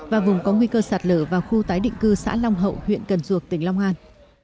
và vùng có nguy cơ sạt lở vào khu tái định cư xã long hậu huyện cần duộc tỉnh long an